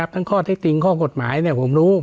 ข้อเท็จจริงข้อกฎหมายผมรู้